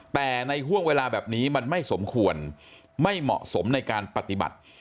แต่ในห่วงเวลาแบบนี้มันไม่สมควรไม่เหมาะสมในการปฏิบัติ